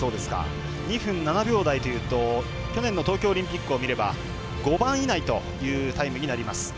２分７秒台というと去年の東京オリンピックを見れば５番以内というタイムになります。